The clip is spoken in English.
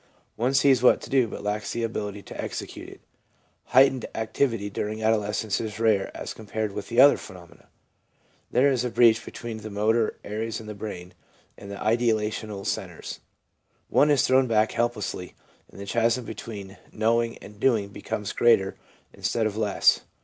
One sees what to do, but lacks the ability to execute it. Heightened activity during adolescence is rare as compared with the other phenomena. There is a breach between the motor areas in the brain and the ideational centres. One is thrown back helplessly, and the chasm between knowing and doing becomes greater instead of less.